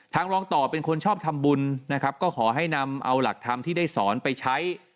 รองต่อเป็นคนชอบทำบุญนะครับก็ขอให้นำเอาหลักธรรมที่ได้สอนไปใช้